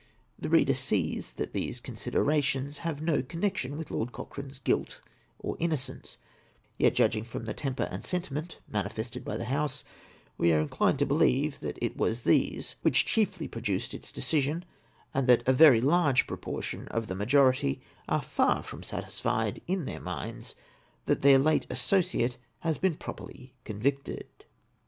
The reader sees that these con siderations have no connection with Lord Cochrane's guilt or innocence; yet, judging from the temper and sentiment manifested by the House, we are inclined to believe that it was these which chiefly produced its decision, and that a very large proportion of the majority are far from satisfied in their minds that their late associate has been properly convicted.